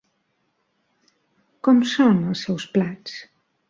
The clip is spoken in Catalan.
Com són els seus plats?